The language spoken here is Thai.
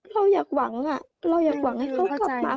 เราอยากหวังอ่ะเราอยากหวังให้เขากลับมา